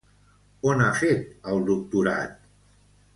On ha fet el doctorat?